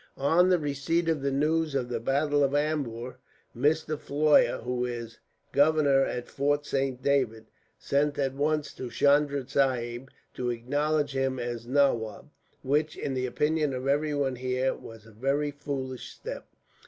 "On the receipt of the news of the battle of Ambur, Mr. Floyer, who is governor at Fort Saint David, sent at once to Chunda Sahib to acknowledge him as nawab; which, in the opinion of everyone here, was a very foolish step.